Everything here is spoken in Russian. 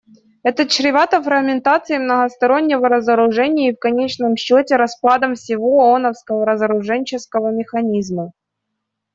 Это чревато фрагментацией многостороннего разоружения и, в конечном счете, распадом всего ооновского разоруженческого механизма.